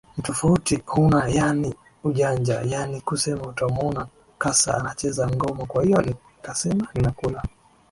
Ni tofauti huna yani ujanja yani kusema utamuona kasa anacheza ngoma Kwahiyo nikasema ninakula